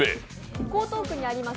江東区にあります